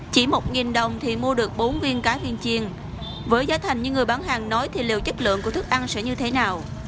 chỉ một đồng thì mua được bốn viên cá viên chiêng với giá thành như người bán hàng nói thì liệu chất lượng của thức ăn sẽ như thế nào